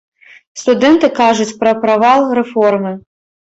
Студэнты кажуць пра правал рэформы.